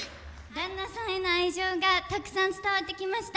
旦那さんへの愛情がたくさん伝わってきました。